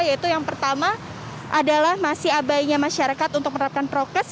yaitu yang pertama adalah masih abainya masyarakat untuk menerapkan prokes